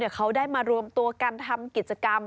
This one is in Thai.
เขาได้มารวมตัวกันทำกิจกรรม